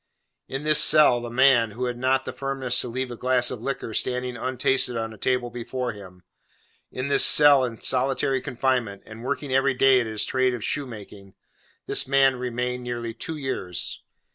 In this cell, the man, who had not the firmness to leave a glass of liquor standing untasted on a table before him—in this cell, in solitary confinement, and working every day at his trade of shoemaking, this man remained nearly two years.